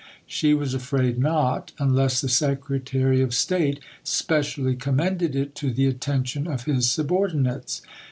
She was afraid not, unless the Secretary of State specially commended it to the attention of his subordinates.